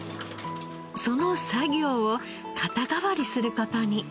その作業を肩代わりする事に。